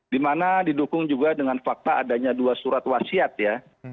dimana didukung juga dengan fakta adanya dua surat wasiat ya